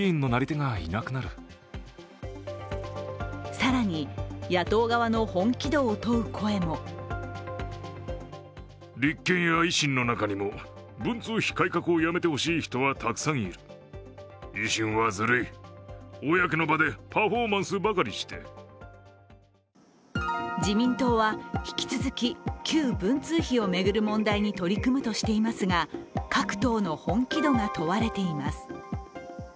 更に、野党側の本気度を問う声も自民党は引き続き、旧文通費を巡る問題に取り組むとしていますが各党の本気度が問われています。